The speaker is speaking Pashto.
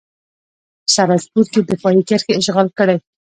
په سراج پور کې دفاعي کرښې اشغال کړئ.